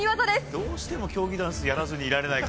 どうしても競技ダンスをやらずにいられないか。